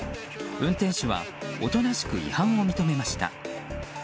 運転手はおとなしく違反を認めました。